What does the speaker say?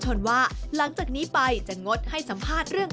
เธออยากให้ชี้แจ่งความจริง